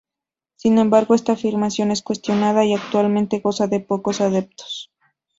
Sin embargo esta afirmación es cuestionada y actualmente goza de pocos adeptos.